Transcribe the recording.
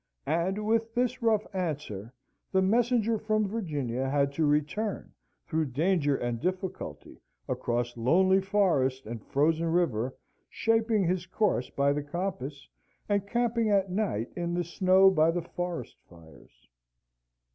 And with this rough answer the messenger from Virginia had to return through danger and difficulty, across lonely forest and frozen river, shaping his course by the compass, and camping at night in the snow by the forest fires.